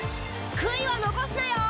悔いは残すなよ！